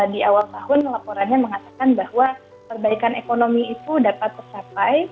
di awal tahun laporannya mengatakan bahwa perbaikan ekonomi itu dapat tercapai